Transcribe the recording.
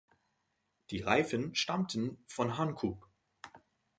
Die Reifen stammten von Hankook.